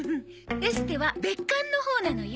エステは別館のほうなのよ。